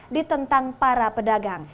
ditentang para pedagang